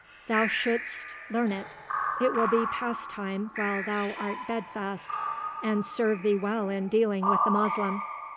"Thou shouldst learn it. It will be pastime while thou art bed fast, and serve thee well in dealing with the Moslem.